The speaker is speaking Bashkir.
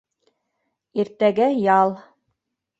Иртәгә - ял.